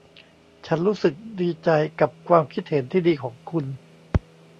ฉันรู้สึกดีใจกับความคิดเห็นที่ดีของคุณ